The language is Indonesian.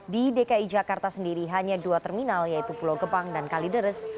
di dki jakarta sendiri hanya dua terminal yaitu pulau gebang dan kalideres